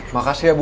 makasih ya bu